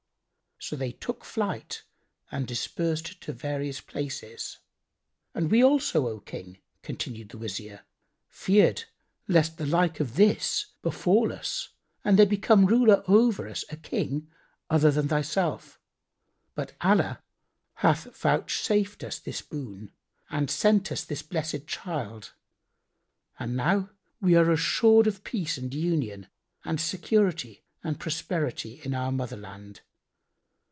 So they took flight and dispersed to various places. "And we also, O King," continued the Wazir, "feared lest the like of this befal us and there become ruler over us a King other than thyself; but Allah hath vouchsafed us this boon and hath sent us this blessed child, and now we are assured of peace and union and security and prosperity in our Mother land.